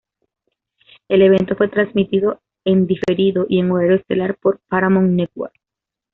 El evento fue transmitido en diferido y en horario estelar por Paramount Network.